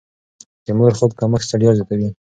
د مور د خوب کمښت ستړيا زياتوي.